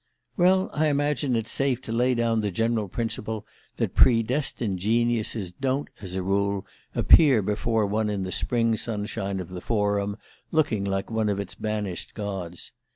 "Well, I imagine it's safe to lay down the general principle that predestined geniuses don't, as a rule, appear before one in the spring sunshine of the Forum looking like one of its banished gods.